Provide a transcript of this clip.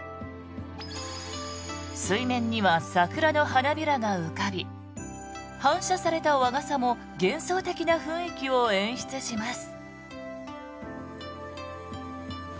水面には桜の花びらが浮かび反射された和傘も幻想的な雰囲気を演出します。